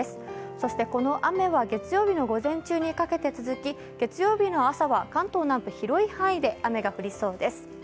そしてこの雨は月曜日の午前中にかけて続き月曜日の朝は関東南部、広い範囲で雨が降りそうです。